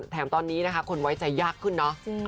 แถมตอนนี้นะคะคนไว้ใจยากขึ้นเนอะ